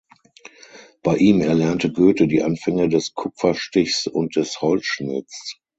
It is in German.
Bei ihm erlernte Goethe die Anfänge des Kupferstichs und des Holzschnitts.